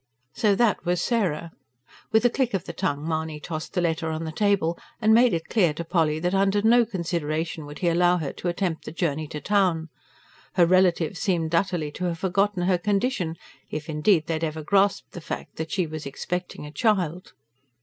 So that was Sarah! With a click of the tongue Mahony tossed the letter on the table, and made it clear to Polly that under no consideration would he allow her to attempt the journey to town. Her relatives seemed utterly to have forgotten her condition; if, indeed., they had ever grasped the fact that she was expecting a child.